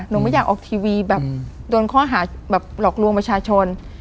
ไม่อยากออกทีวีแบบโดนข้อหาแบบหลอกลวงประชาชน